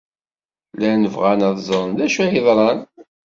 Llan bɣan ad ẓren d acu ay yeḍran.